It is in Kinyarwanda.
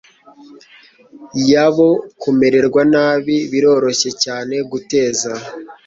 yabo kumererwa nabi Biroroshye cyane guteza